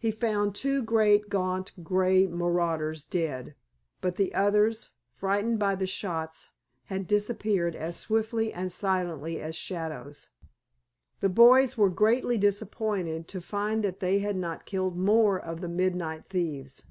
He found two great, gaunt, grey marauders dead, but the others, frightened by the shots, had disappeared as swiftly and silently as shadows. The boys were greatly disappointed to find that they had not killed more of the midnight thieves.